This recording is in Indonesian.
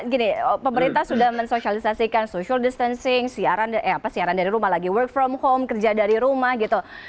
gini pemerintah sudah mensosialisasikan social distancing siaran dari rumah lagi work from home kerja dari rumah gitu